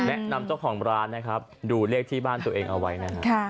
แนะนำเจ้าของร้านนะครับดูเลขที่บ้านตัวเองเอาไว้นะครับ